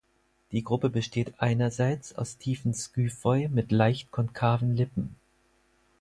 Die Gruppe besteht einerseits aus tiefen Skyphoi mit leicht konkaven Lippen.